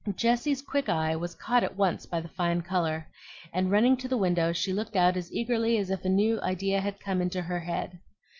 Jessie's quick eye was caught at once by the fine color, and running to the window she looked out as eagerly as if a new idea had come into her head.